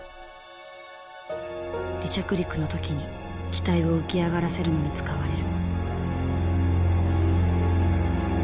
離着陸の時に機体を浮き上がらせるのに使われる。